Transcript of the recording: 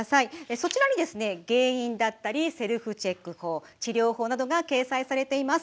そちらに原因だったりセルフチェック法治療法などが掲載されています。